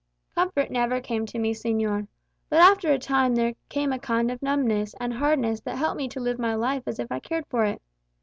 "Comfort never came to me, señor. But after a time there came a kind of numbness and hardness that helped me to live my life as if I cared for it.